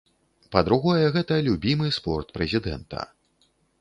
Па-другое, гэта любімы спорт прэзідэнта.